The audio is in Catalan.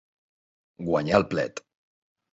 Guanyar el plet.